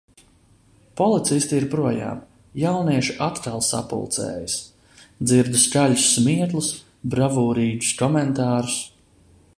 Policisti ir projām, jaunieši atkal sapulcējas. Dzirdu skaļus smieklus, bravūrīgus komentārus.